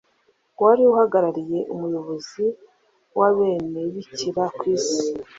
wari uhagarariye umuyobozi w’Abenebikira ku Isi